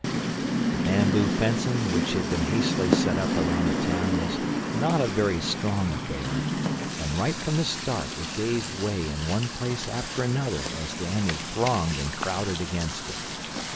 The bamboo fencing which had been hastily set up around the town was not a very strong affair; and right from the start it gave way in one place after another as the enemy thronged and crowded against it.